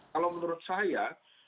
kalau menurut saya